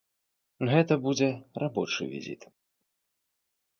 Гэта будзе рабочы візіт.